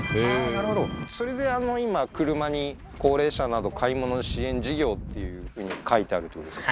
なるほどそれで今車に「高齢者等買い物支援事業」っていうふうに書いてあるってことですか？